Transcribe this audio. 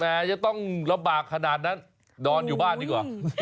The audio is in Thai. จะต้องลำบากขนาดนั้นนอนอยู่บ้านดีกว่า